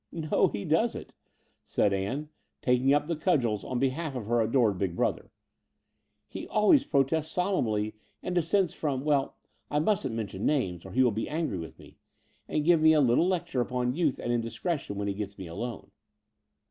No, he doesn't," said Ann, taking up the cud gels on behalf of her adored big brother; "he al ways protests solemnly and dissents from — ^well, I mustn't mention names, or he will be angry with me, and give me a little lecture upon youth and indiscretion when he gets me alone."